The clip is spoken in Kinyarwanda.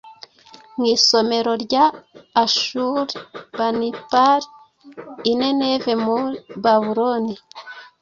mu isomero rya Ashurbanipal i Nineve mu Babuloni